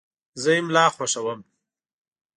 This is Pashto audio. زه املا خوښوم.